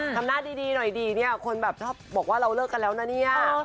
ทำหน้าดีหน่อยดีเนี่ยคนแบบชอบบอกว่าเราเลิกกันแล้วนะเนี่ย